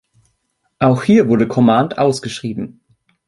Auch hier wurde Command ausgeschrieben.